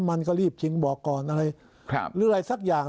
มันก็รีบชิงบอกก่อนอะไรหรืออะไรสักอย่าง